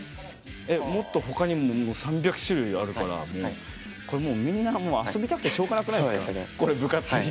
もっとほかにも３００種類あるからみんな遊びたくてしょうがなくないですか。